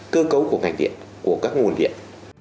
cơ cấu của ngành điện của các nguồn điện